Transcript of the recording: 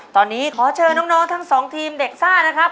ตอนนี้ขอเชิญน้องทั้งสองทีมเด็กซ่านะครับ